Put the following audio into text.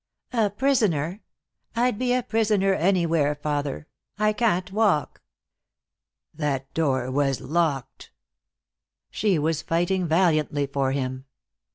"A prisoner? I'd be a prisoner anywhere, father. I can't walk." "That door was locked." She was fighting valiantly for him.